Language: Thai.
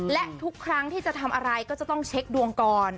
และทุกครั้งที่จะทำอะไรก็จะต้องเช็คดวงก่อน